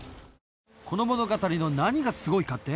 この物語の何がすごいかって？